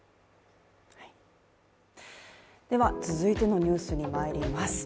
続いてのニュースにまいります。